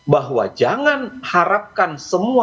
bahwa jangan harapkan semua